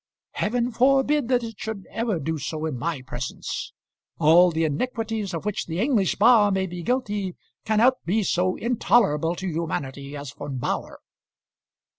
"Heaven forbid that it should ever do so in my presence! All the iniquities of which the English bar may be guilty cannot be so intolerable to humanity as Von Bauhr."